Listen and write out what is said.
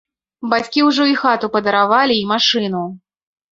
Бацькі ўжо і хату падаравалі і машыну.